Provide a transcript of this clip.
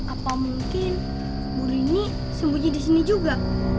apa mungkin bu rini sembunyi di sini juga